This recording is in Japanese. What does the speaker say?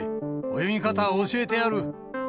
泳ぎ方を教えてやる。